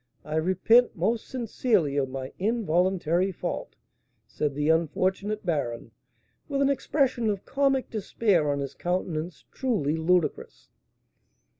I repent, most sincerely, of my involuntary fault," said the unfortunate baron, with an expression of comic despair on his countenance truly ludicrous.